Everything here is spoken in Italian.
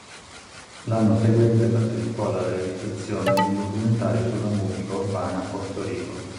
L'anno seguente partecipò alla realizzazione di un documentario sulla musica urbana a Porto Rico.